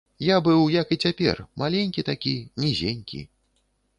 Я быў, як і цяпер, маленькі такі, нізенькі.